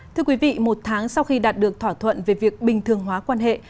thưa quý vị một tháng sau khi đạt được thỏa thuận về việc bình thường hóa quan hệ